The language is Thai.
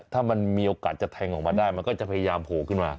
ถ้ามันมีโอกาสจะแทงออกมาได้มันก็จะพยายามโผล่ขึ้นมา